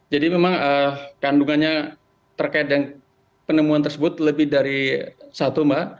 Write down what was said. jadi memang kandungannya terkait dengan penemuan tersebut lebih dari satu mbak